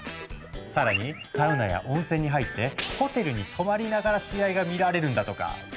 更にサウナや温泉に入ってホテルに泊まりながら試合が見られるんだとか。